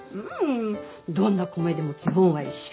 どんな米でも基本は一緒。